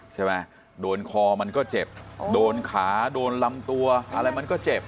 ใช่ไหมโดนคอมันก็เจ็บโดนขาโดนลำตัวอะไรมันก็เจ็บ